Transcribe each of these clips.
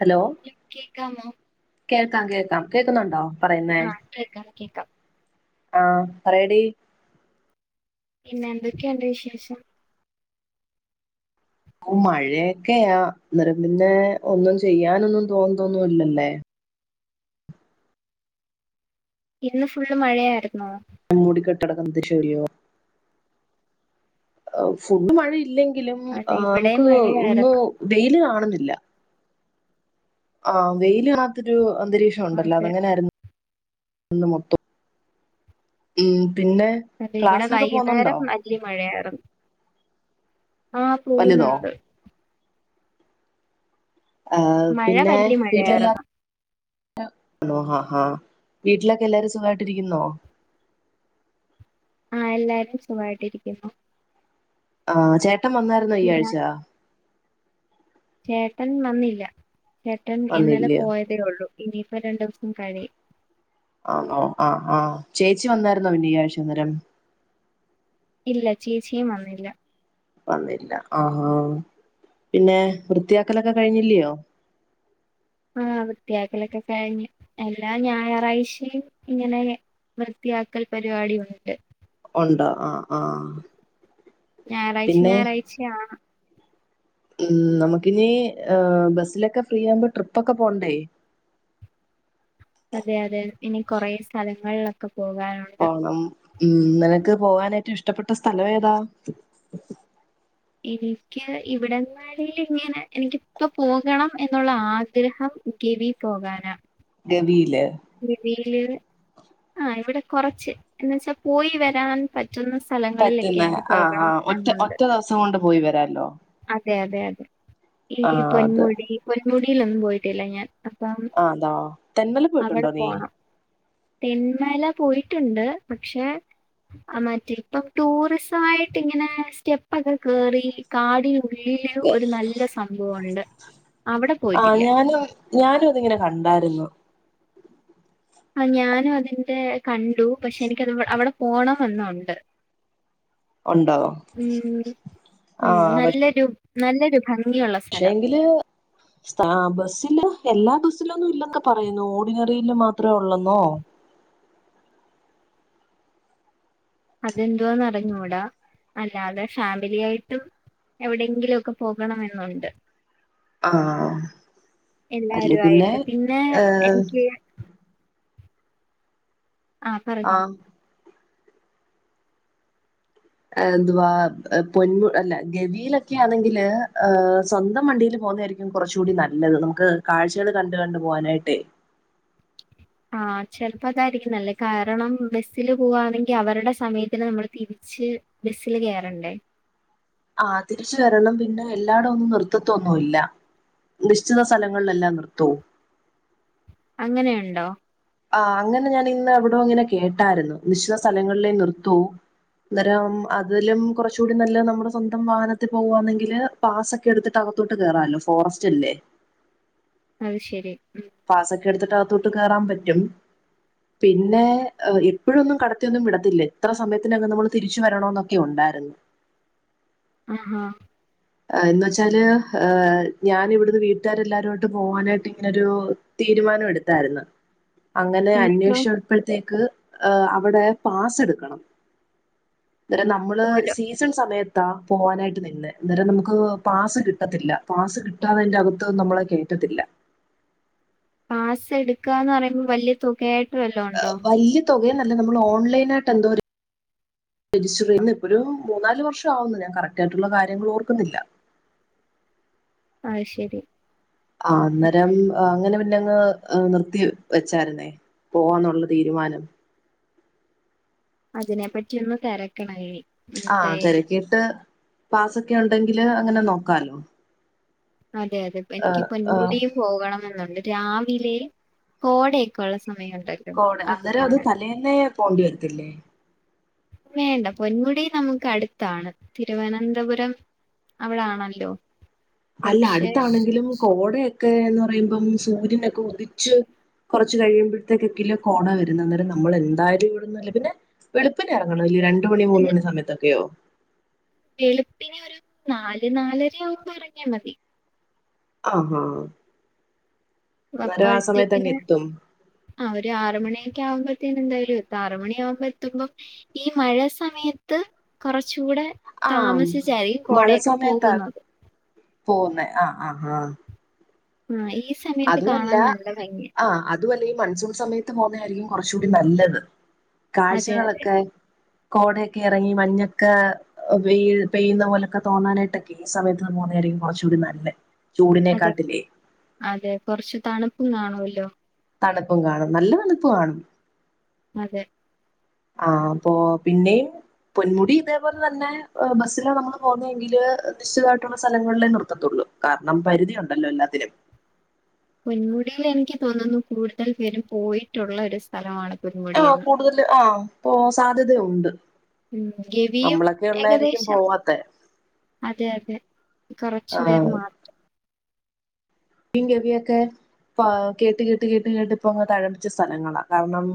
Hello കേക്കാമോ കേൾക്കാം കേൾക്കാം കേൾക്കുന്നുണ്ടോ ആ കേക്കാം കേക്കാം ആ പറയടി പിന്നെ എന്തൊക്കെഉണ്ട് വിശേഷം ഓ മഴയൊക്കെയാ നിറ പിന്നെ ഒന്നും ചെയ്യാനൊന്നും തോന്നതോന്നില്ലല്ലേ ഇന്ന് ഫുള്ള് മഴയായിരുന്നോ മുടി കെട്ട് [unintelligible] ആഹ് ഫുഡ് മഴയില്ലെങ്കി ങ്കിലും അതെ ആഹ് ഇവിടെയും നമുക്ക് ഇന്ന് മഴയായിരുന്നു വെയില് കാണുന്നില്ല ആ വെയില് [unintelligible] അന്തരീക്ഷം ഉണ്ടല്ലോ അത് അതെ അങ്ങനൊ ആരുന്നു. ഒന്ന് മൊത്തം ഉം പിന്നെ അതെ ഇവിടെ ക്ലാസ്സിനൊക്കെ പോന്നുണ്ടോ വൈകുന്നേരം വല്യ മഴയായിരുന്ന് ആ വലുതോ പോകുന്നുണ്ട്. ആഹ് മഴ പിന്നെ വലിയ വീട്ടിൽ മഴയായിരുന്നു സുഖമാണോ [unintelligible] ഹ ഹ വീട്ടിലൊക്കെ എല്ലാരും സുഖായിട്ടിരിക്കുന്നോ? ആഹ് എല്ലാരും സുഖായിട്ടിരിക്കുന്നു. ആഹ് ചേ ട്ടൻ വന്നായിരുന്നൊ ഈ ആഴ്ച്ച ചേട്ടൻ വന്നില്ല ചേട്ടൻ ഇന്നലെ വന്നില്ല പോയതേ ഒള്ളൂ. ഇനിയിപ്പ രണ്ടു ദിവസം കഴിയും അന്നൊ ആഹ് ആഹ് ചേച്ചി വന്നായിരുന്നോ പിന്ന ഈ ആഴ്ച്ച [unintelligible] ഇല്ല ചേച്ചിയും വന്നില്ല വന്നില്ല അഹ് ആഹ് പിന്നെ വൃത്തിയാക്കലൊക്കെ കഴിഞ്ഞില്യോ ആഹ് വൃത്തിയാക്കലൊക്കെ കഴിഞ്ഞ്. എല്ലാ ഞായറാഴ്ചയും ഇങ്ങനെ വൃത്തിയാക്കൽ പരിപാടി ഉണ്ട്. ഉണ്ടോ ആഹ് ആഹ് ഞായറാഴ്ചിം പിന്നെ ഞായറാഴ്ചി ആണ് ഉം നമുക്കിനീ ബസിലൊക്കെ ഫ്രീ ആവുമ്പോ ട്രിപ്പൊക്കെ പോണ്ടേ. അതെ അതെ ഇനി കൊറേ സ്ഥലങ്ങളിലൊക്കെപ് പോണം ഇന്നലെ നിക്ക് പോവാൻ ഏറ്റു ഇഷ്ടപ്പെട്ട സ്ഥലവേതാ ഇനിക്ക് ഇവിടന്നാണേലിങ്ങനെ അലെങ്കി ഇപ്പപ്പോകണം എന്നുള്ള ആഗ്രഹം ത്തിവി പോകാന ഗമിയില് ഗവിയില് ആഹ് ഇവിടെ കൊറച്ച് എന്ന് വച്ചാ പോയി വരാൻ പറ് പറ്റുന്ന ആഹ് ആഹ് ഒറ്റ എന്നുണ്ട് ഒറ്റദിവസം കൊണ്ട് പോയി വരാല്ലോ അതെ അതെ അതെ ഈ ആഹ് അത് പൊന്മുടി പൊന്മുടീലൊന്നുമ്പോയിട്ട് ഇല്ല ഞാൻ ആ അതാ തെന്മല പോയിട്ട അങ്ങടെ പോണം തെന്മേല പോയിട്ടുണ്ട് പക്ഷെ മറ്റേ ഇപ്പം ടൂറിസമായിട്ട് ഇങ്ങനെ സ്റ്റെപ്പൊക്കെ കേറി കാടിലു അവിടെ ആഹ് പോയിട്ടില്ല. ഞാനും ഞാനും ഇതിങ്ങനെ കണ്ടായിരുന്നു ആ ഞാനും അതിന്റെ കണ്ടു പക്ഷെ എനിക്കത് അവിടെ പോണംമന്നുണ്ട് ഉണ്ടോ ഉം ഉം ആഹ് നല്ലൊരു നല്ലൊരു ഭംഗി പക്ഷെ എങ്കില് സഥാ ബസ്സില എല്ലാ ബസ്സിലൊന്നും ഇല്ലൊക്കെ പറയുന്നു ഓടിനറിൽ മാത്രേ ഉള്ളെന്നോ അതെന്തോവാന്ന് അറിഞ്ഞൂടാ അല്ലാതെ ഫാമിലി ആയിട്ടും എവിടെയെങ്കിലും ഒക്കെ പോകണമെന്നുണ്ട് ആഹ് എല്ലരും ആയിട്ട് പിന്നെ എനിക്ക് ആ പറഞ്ഞോ എന്ത്വവാ പൊന്മു അല്ല ഗവിയിലൊക്കെ ആണെങ്കില് ഏ സ്വന്തം വണ്ടില് പോവുന്നായിരിക്കും കുറച്ച്‌ കൂടി നല്ലത് നമുക്ക് കാഴ്ചകൾ കണ്ട് കണ്ട് പോവാനായിട്ടേ ആഹ ചെലപ്പോ അതായിരിക്കും നല്ലത്‌ കാരണം ബസില് പോവാവാണെങ്കി അവരുടെ സമയത്തി നമ്മൾ തിരിച്ച് ബസില് കയറണ്ടേ ആ തിരിച്ചു വരണം പിന്നെ എല്ലായിട ഒന്നും നർത്തത്തൊന്നുമല്ല നിശ്ചിത സ്ഥലങ്ങളിലെല്ലാം നിർത്തൂ അങ്ങനെയുണ്ടോ ആ അങ്ങനെ ഞാനിന്ന് എവിടോ ഇങ്ങനെ കേട്ടായിരുന്നു നിശ്ചിത സ്ഥലങ്ങളിലേ നിർത്തൂ അന്നേരം അതിലും കുറച്ചൂടി നല്ല നമ്മുടെ സ്വന്തം വാഹനത്തിൽ പോകുവാന്നെങ്കില് പാസ്സ ഒക്കെ എടുത്തിട്ട് അകത്തോട്ട് കേറാല്ലോ ഫോറസ്റ്റ് അല്ലേ അ ശരി ഉം. പാസൊക്കെ എടുത്തിട്ട് അ കേറാൻ പറ്റും പിന്നെ ഇപ്പോഴൊന്നും കടത്തിയൊന്നും വിടത്തില്ല എത്ര സമയത്തിനകം നമ്മൾ തിരിച്ചു വരണോന്നൊക്കെ ഉണ്ടായിരുന്നു ആഹഹ എന്ന വെച്ചാല് ഏ ഞാൻ ഇവിടുന്ന് വീട്ടുകാരെല്ലാരുട്ട് പോവാനായിട്ട് ഇങ്ങനെരു തീരുമാനം എടുത്തായിരുന്നു അങ്ങനെ എന്നിട്ടോ അന്വേഷിച്ചപ്പോഴത്തേക്ക് ഏ അവിടെ പാസ് എടുക്കണം ര നമ്മള് ഓരോ സീസൺ സമയത്ത് [unintelligible] പോവാനായിട്ട് നിന്നെ അന്നേരം നമുക്ക് പാസ് കിട്ടത്തില്ല പാസ്സ് കിട്ടാതെ അതിന്റെ അകത്ത്ന്നും നമ്മളെ കേറ്റത്തില്ല പാസ് എടുക്കാന്ന് പറയുമ്പോ വലിയ തുകയായിട്ട് വല്ലോം ഉണ്ടോ വലിയ തുകയന്നല്ല നമ്മൾ ഓൺലൈൻ ന്തോ രസ്റ്റർ ചെയ ഇപ്പ ഒരു മൂന്നാല് വർഷം ആവുന്നു ഞാൻ കറക്റ്റ് ആയിട്ടുള്ള കാര്യങ്ങൾ ഓർക്കുന്നില്ല ആഹ ശരി ആ അന്നേരം ഉം അങ്ങനെ ന്നങ്ങ്നിർത്തി വെച്ചായിരുന്നേ പോവാന്നുള്ള തീരുമാനം അതിനെ പറ്റി ഒന്ന് തിരക്കണഴ ആഹ തിരക്കിയിട്ട് പാസ്സൊക്കെ ഉണ്ടെങ്കില് അങ്ങനെ നോക്കാാലോ അതെ അതെ എനിക്ക് പൊന്കൂടിയ പോകണണംമെന്നുണ്ട് രാവിലെ കോടയൊക്കെയ ഉള്ള സമയമുണ്ടല്ലോ കോട അന്നേരം അത് കാണാൻ തലേന്നെ പോേണ്ടി വരത്തില്ലേ വേണ്ട പൊന്മുടി നമുക്ക് അടുത്താണ് തിരുവനന്തപുരം അവിടൊണല്ലോ അല്ല അടുത്താണെങ്കിലും കോടയൊക്കെ ഒെന്ന് പറയുമ്പം സൂര്യനൊക്കെ ഉദിച്ച് കുറച്ച്ു കഴിയുമ്പോഴത്തേക്ക കിലോ കോട വര അന്നേരം നമ്മൾ എന്തായാലും ഇവി പിന്നെ വളുപ്പിനന് ഇറങ്ങണം ര ണ മൂലോണ സമയ തക്ക വളുപ്പിന ഒരു നാല് നാലര ആവുമ്പോ ഇറങ്ങിയാ മതി ആഹ വപ്പഴത്തേക്കിന് ആ ഒരു ആറ മണിയൊക്കെ ആവുമ്പോ എന്തായാലും ആറ മണിയ ആകുമ്പ എത്തുമ്പോ ഈ മഴ സമയത്ത് കുറച്ച് ചൂടെ ആഹ് താമസിച്ചായിരിക്കും കോടയൊക്കെ പോകുന്നത് പോുന്നെ ആഹ് ആഹ് ആഹ ആ ഈ സമയത്ത് അതുമല്ല കാണാൻ നല്ല ഭംഗിയാ. ആ അതുമല്ല മൺസൂൺ സമയത്ത് പോുന്നതായിരിക്കും കുറച്ചുകൂടി നല്ലത് അതെ അതെ. കാഴ്ചകളൊക്കെ കോടയൊക്കെ ഇറങ്ങി മഞ്ഞൊക്കെ [unintelligible] പെയ്യുന്ന പോലൊക്കെ തോന്നാനായിട്ടൊക്കെ ഈ സമയത്ത് പോുന്നായിും കുറച്ചുകൂടി നല്ലേ ചൂടിനെ കാട്ടില്ല കൊറച്ച് തണുപ്പും കാണുവല്ലോ തണുപ്പും കാണും നല്ല തണുപ്പും കാണും അതെ ആ അപ്പൊ പിന്നെയും പൊന്മുടി ഇതുപോലെ തന്നെ ബസില്ല നമ്മള് പോുന്നതെങ്കില് നിശ്ചിതമായിട്ടുള്ള സ്ഥലങ്ങളിലേ നിർത്തുകയുള്ളു കാരണം പരിധിയ ഉണ്ടല്ലോ എല്ലാത്തിനും പൊന്മുടിൽ എനിക്ക് തോനുന്നു കൂടുതൽ പേരും പോയിട്ടുള്ള ഒരു സ്ഥലമാണ് ആ പൊന്മുടിയെന്ന്. കൂടുതൽ ആ പോവാൻ സാധ്യതയുണ്ട് ഉം ഗവിയും നമ്മളൊക്കെ ഉള്ളായിരിക്കും ഏകദേശം പോവാത്ത അതെ അതെ കുറച്ചു ആ പേർ മാത്രം ഗവിയൊക്കെ കേട്ട കേട്ട് കേട്ട് കേട്ട് പോവാ തായാട്ട് തഴപ്പിച്ച സ്ഥലങ്ങളാ കാരണം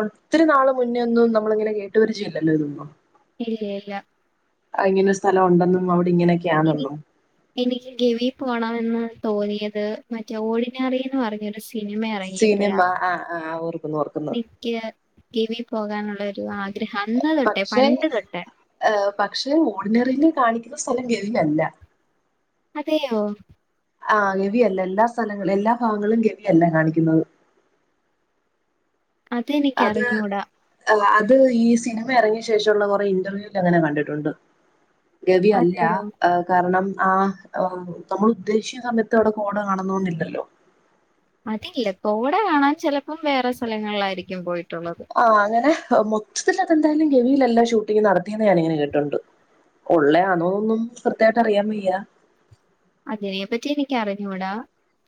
ഒത്തിരി നാള് മുന്നേ ഒന്നും നമ്മളിങ്ങനെ കേട്ട് വരിചയില്ലല്ലോ ഇതൊന്നും [unintelligible] ഇങ്ങനെ ഒരു സ്ഥലം ഉണ്ടെന്നും അവിടെ ഇങ്ങനെയൊക്കെയാണെന്നും എനിക്ക് ഗെവി പോണ എന്ന് തോന്നിയത് മറ്റേ ഓടിനാറന്ന് പറഞ്ഞരു സിനിമ ആ ആ ഓർക്കുന്നു ഓർക്കുന്നു കിവി പോകാനുള്ളരു ആ പക്ഷെ പക്ഷെ ഓർഡിനറിൽ കാണിക്കുന്ന കേവിനല്ല അതെയോ ആ കിവിയല്ല എല്ലാ സ്ഥലങ്ങളും എല്ലാ ഭാഗങ്ങളും [unintelligible] കാണിക്കുന്നത് അതെനിക്ക് അത് അറിഞ്ഞൂടാ ആത് അത് ഈ സിനിമ എറങ്ങിയ ശേഷ ഉള്ള കൊറെ ഇന്റർവ്യൂൽ അങ്ങനെ കണ്ടിട്ടുണ്ട് രവി അല്ല അതെയോ കാരണം ആഹ് നമ്മൾ ഉദ്ദേശിക്കുന്ന സമയത്ത് അവിടെ കോട കാണൂ ന്നു [unintelligible] ഇല്ലലോ അതിലെ കോട കാണാൻ ചെലപ്പം വേറെ സ്ഥലങ്ങള്ലായിരിക്കും പോയി ആ അങ്ങനെ മൊത്തത്തിലതൻ ന്തായാലും ഗവിയിലല്ലാം ഷൂട്ടിംഗ് നടത്തിയന്ന് ഞാാനിങ്ങനെ കേട്ടിട്ട്ണ്ട് ഉള്ളേ അന്നോൊന്നും കൃത്യായിട്ട് അറിയാൻ വയ്യ അതിനെ പറ്റി എനിക്കറിഞ്ഞൂടാ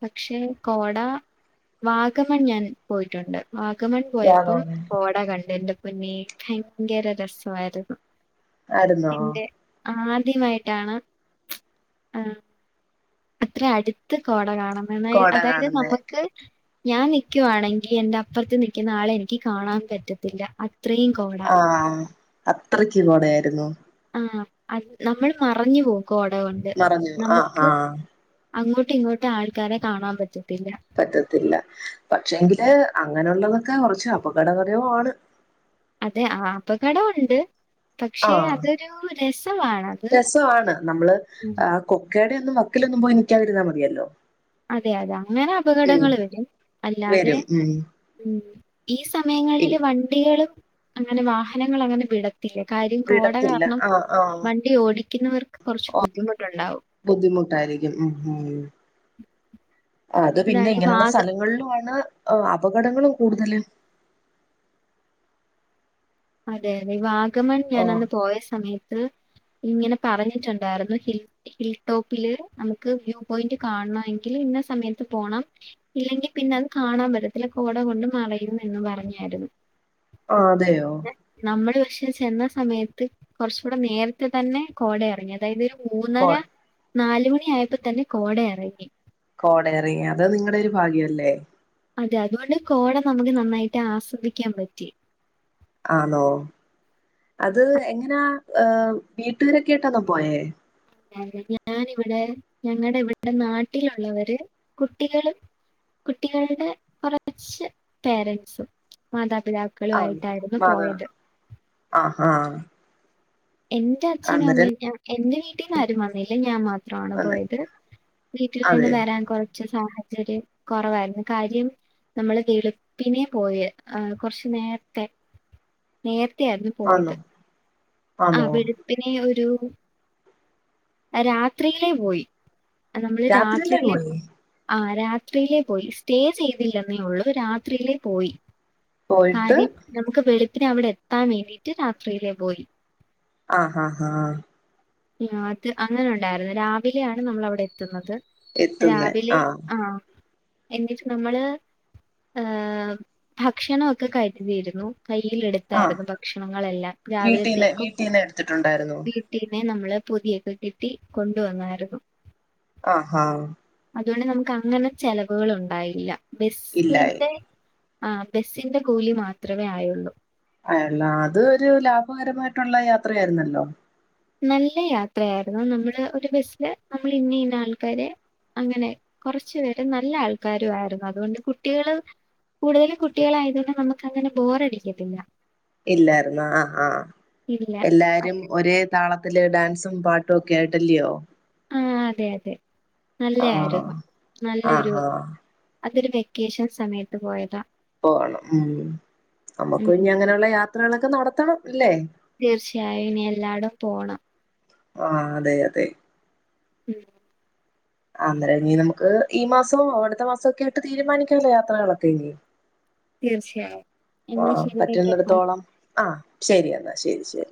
പക്ഷെ കോട വാഗമൺ ഞാന് പോയിട്ടുണ്ട് വാഗമൺ പോയപ്പം കോട കണ്ട് എന്റെ പിന്നെ കയങ്കര രസമായിരുന്നു ആയിരുന്നോ പിന്നെ ആ ആദ്യമായിട്ടാണ് ആ അത്ര അടുത്ത് കോട കാണ അമ്മമെന്നായി കോട അതായത് കാണുന്നേ നമ്മുക്ക് ഞാൻ നിക്കുവാണെങ്കിൽ എന്റെ അപ്പറത്ത് നിക്കുന്ന ആളെ എനിക്ക് കാണാൻ പറ്റത്തില്ല അ ആഹ് അത്രക്ക് കോടയായിരുന്നു ആഅയ് നമ്മൾ മറഞ്ഞു പോവും കോട കൊണ്ട് പറഞ്ഞു ആ നമുക്ക് ആ അങ്ങോട്ടും ഇങ്ങോട്ടും ആൾക്കാരെ കാണാൻ പറ്റ പറ്റത്തില്ല പക്ഷെങ്കില് അങ്ങനൊള്ളതൊക്കെ കൊറച്ച് അപകടകരവുമാണ് അതെ ആ അപകടവൊണ്ട് ആഹ് അത് രസവാണ് നമ്മള് ഉം ആ കൊക്കേടെ ന്നും വക്കിലൊന്നും പോയി നിൽക്കാതിരുന്നാ മതിയല്ലോ അതെ അതെ അങ്ങനെ ഉം അപകടങ്ങള് വരും അല്ലാതെ വരും ഉം ഉം ഈ സമയങ്ങളില് വണ്ടികളും അങ്ങനെ വാഹനങ്ങളങ്ങനെ വിട ത്തില്ല കാര്യം കോട വിടത്തില്ല കാരണം വണ്ടി ഓടി ക്കിന്നവർ ഓ ബുദ്ധിമുട്ടായിരിക്കും ഉം ഉം അത് പിന്നെ അതാണ് ഈ ഇങ്ങനുള്ള വാഗ സ്ഥലങ്ങളിലുവാണ് ഓഹ് അപകടങ്ങളും കൂടുതല് അതെ അതെ വാ വാഗമൺ ഞാൻ ഓഹ് അന്ന് പോയ സമയത്ത് ഇങ്ങനെ പറഞ്ഞിട്ടുണ്ടായിരുന്നു ഹിൽ ഹിൽടോപ്പില് നമുക്ക് വ്യൂ പോയിന്റ് കാണണമെങ്കിൽ ഇന്ന സമയത്ത് പോണം ഇല്ലെങ്കിൽ പിന്നെ അത് കാണാൻ പറ്റത്തില്ല കോട കൊണ്ട് മറയും എന്ന് പറഞ്ഞായിരുന്നു ആ അതെയോ നമ്മൾ പക്ഷെ ചെന്ന സമയത്ത് കൊറച്ചുടെ നേരത്തെ തന്നെ കോട ഇറങ്ങി അതായത് ഒരു കോ മൂന്നര നാല് മണി ണി ആയപ്പോ തന്നെ കോട ഇറങ്ങി കോടയിറങ്ങി അത് നിങ്ങടെ ഒരു ഭാഗ്യല്ലേ അതെ അതുകൊണ്ട് കോട നമുക്ക് നന്നായിട്ട് ആസ്വദിക്കാൻ പറ്റി ആണോ അത് എങ്ങനാ ഏ വീട്ടുകാരൊക്കെ ആയിട്ടാന്നോ പോയേ ഞാനിവിടെ ഞങ്ങടെ ഇവിടെ നാട്ടിലുള്ളവര് കുട്ടികളും കുട്ടികളുടെ കൊറച്ച് പേരൻസും മാതാ ആഹ് മാത ആഹ് ആഹ് എന്റെ അച്ഛനും അന്നേരം അമ്മയും ഞാൻ എന്റെ വീട്ടിന്ന് ആരും വന്നില്ല ഞാൻ മാത്രമാണ് പോയത് വീട്ടിൽ നിന്ന് അതെ വരാൻ കൊറച്ച് സാഹ ര് കൊറവായിരുന്നു കാര്യം നമ്മൾ വെളുപ്പിനെ പോയേ കൊറച്ചു നേരത്തെ നേ തെയായിരുന്നു ആന്നോ പോയത് ആ ആന്നോ വെളുപ്പിനെ ഒരു രാത്രിയിലേ പോയി നമ്മള് രാത്രിയല്ലേ രാത്രിയിലെ പോയേ ആ രാത്രിയിലെ പോയി സ്റ്റേ ചെയ്തില്ലെന്നേ ഉള്ളൂ രാത്രിയിലെ പോയി പോയിട്ട് കാര്യം നമുക്ക് വെ പ്പിനെ അവിടെ എത്താൻ വേണ്ടീട്ട് രാത്രിയിലെ പോയി ആഹ് ആഹ് ആഹ് ആഹ അത് അങ്ങനെ ഉണ്ടായിരുന്നു രാവിലെയാണ് നമ്മൾ അവിടെ എത്തുന്നത് എത്തുന്ന രാവിലെ ആഹ ആ. എന്നിട്ട് നമ്മള് ഹ ഭക്ഷണൊക്കെ കഴികുകയായിരുന്നു കയ്യില ആഹ് എടുത്തായിരുന്നു ഭക്ഷണങ്ങളെല്ലാം വീട്ടീന്ന് രാവിലത്തേക്കും വീട്ടീന്ന് എടുത്തിട്ടുണ്ടായിരുന്നോ വീട്ടിൽ നമ്മള് പൊതിയൊക്കെ കിട്ടി കൊണ്ടുവന്നായിരുന്നു ആഹഹ അതുകൊണ്ട് നമുക്ക് അങ്ങനെ ചെലവുകൾ ഉണ്ടായില്ല ഇല്ലായി ബസ്ന്റെ ആ ബസ്സിന്റെ കൂലി മാത്രമേ ആയുള്ളൂ അല്ല അത് ഒരു ലാഭകരമായിട്ടുള്ള യാത്രയായിരുന്നല്ലോ നല്ല യാത്രയായിരുന്നു നമ്മള് ഒരു ബസില് നമ്മൾ ഇന്ന ഇന്ന ആൾക്കാര് അങ്ങനെ കുറച്ചു പേരെ നല്ല ആൾക്കാര ആയിരുന്നു അതുകൊണ്ട് കുട്ടികള് കൂടുതലും കുട്ടികളായതൊന്നെ നമുക്ക് അങ്ങനെ ബോറടിക്കത്തില്ല ഇല്ലായിരുന്ന ആഹ ആഹ ഇല്ല. എല്ലാരും അതെ. ഒരേ താള അതില് ഡാൻസും പാട്ടും ഒക്കെ ആയിട്ടല്ലയോ ആഹ അതെ അതെ ആഹ് നല്ലയായിരുന്നു നല്ലൊരു ആഹ് ആഹ് അതൊരു വെക്കേഷൻ സമയത്ത് പോയതാ പോണം ഉം നമ്മുക്ക് ഉം. പിന്നെ അങ്ങനെയുള്ള യാ ത്രങ്ങളൊക്കെ നടത്തണം ല്ലേ തീർച്ചയായും ഇനി എല്ലാടോം പോണം ആ അതെ അതെ ഉം അന്നേരം ഇനി നമുക്ക് ഈ മാസോ അവിടുത്തെ മാസം ഒക്കെ ആട്ട് തീരുമാനിക്കല്ലോ യാത്രകളൊക്കെ ഇനി തീർച്ചയായും എന്ന ശരി വെക്കട്ടെ പറ്റുന്നിടത്തോളം ആ ശരി എന്നാ ശരി ശരി